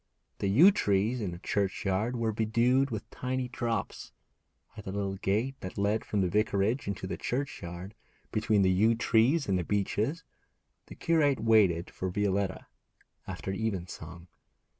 The yew trees in the churchyard were bedewed with tiny drops. At the little gate that led from the vicarage into the churchyard, between the yew trees and the beeches, the curate waited for Violetta, after evensong.